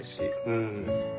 うん。